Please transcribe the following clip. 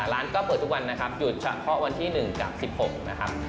ร้านก็เปิดทุกวันนะครับหยุดเฉพาะวันที่๑กับ๑๖นะครับ